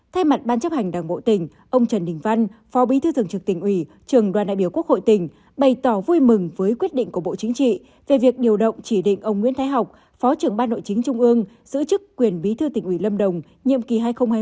thay mặt ban chấp hành đảng bộ tỉnh ông trần đình văn phó bí thư thường trực tỉnh ủy trường đoàn đại biểu quốc hội tỉnh bày tỏ vui mừng với quyết định của bộ chính trị về việc điều động chỉ định ông nguyễn thái học phó trưởng ban nội chính trung ương giữ chức quyền bí thư tỉnh ủy lâm đồng nhiệm kỳ hai nghìn một mươi năm hai nghìn hai mươi